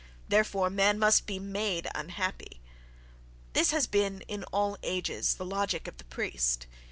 "Therefore, man must be made unhappy,"—this has been, in all ages, the logic of the priest.